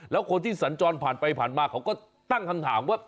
แล้วคนที่สัญจรผ่านไปผ่านมาเขาก็ตั้งคำถามว่า